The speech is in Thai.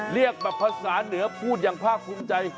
เรียกแบบภาษาเหนือพูดอย่างภาคภูมิใจ